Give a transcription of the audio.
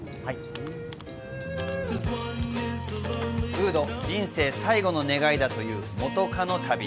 ウード、人生最期の願いだという元カノ旅。